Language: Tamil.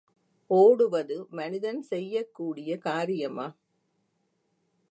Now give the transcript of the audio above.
ஓடுவது மனிதன் செய்யக் கூடிய காரியமா!